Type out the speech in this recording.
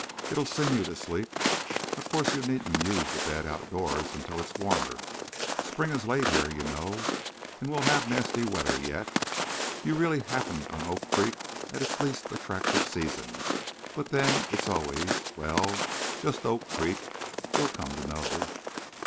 It'll sing you to sleep. Of course you needn't use the bed outdoors until it's warmer. Spring is late here, you know, and we'll have nasty weather yet. You really happened on Oak Creek at its least attractive season. But then it's always—well, just Oak Creek. You'll come to know."